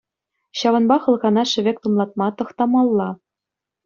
Ҫавӑнпа хӑлхана шӗвек тумлатма тӑхтамалла.